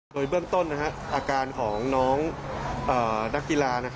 โดยเบื้องต้นอาการของน้องนักกีฬา